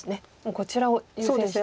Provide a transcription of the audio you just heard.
こちらを優先して。